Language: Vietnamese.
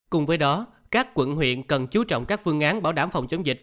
cùng với đó các quận huyện cần chú trọng các phương án bảo đảm phòng chống dịch